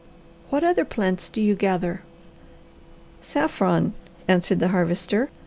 What other plants do you gather?" "Saffron," answered the Harvester.